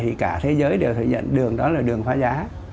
thì cả thế giới đều thể hiện đường đó là đường phá giá